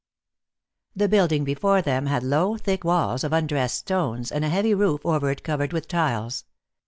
THE building before them had low, thick walls, of undressed stones, and a heavy roof over it covered with tiles.